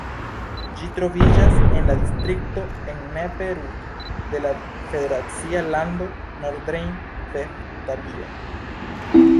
Ĝi troviĝas en la distrikto Ennepe-Ruhr de la federacia lando Nordrejn-Vestfalio.